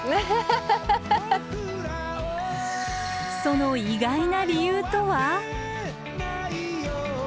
その意外な理由とは？